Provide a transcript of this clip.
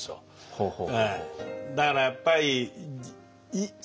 ほうほう。